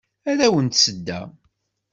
Arraw n tsedda.